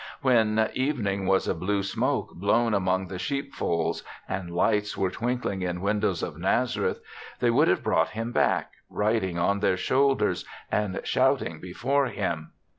When eve ning was a blue smoke blown among the sheepfolds and lights were twin kling in windows of Nazareth, they would have brought him back, riding on their shoulders and shouting be fore him.